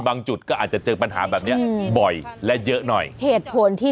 จุดก็อาจจะเจอปัญหาแบบเนี้ยบ่อยและเยอะหน่อยเหตุผลที่